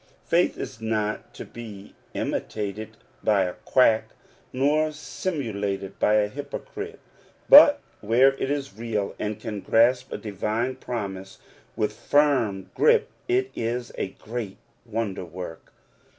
Faith is not to be imitated by a quack, nor simulated by a hypocrite ; but where it is real, and can grasp a divine promise with firm grip, it is a great wonder worker.